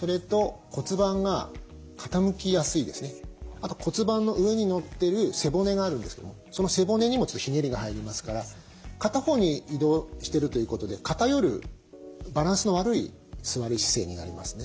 あと骨盤の上にのってる背骨があるんですけどもその背骨にもちょっとひねりが入りますから片方に移動してるということで偏るバランスの悪い座り姿勢になりますね。